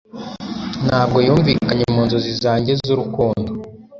ntabwo yumvikanye mu nzozi zanjye z'urukundo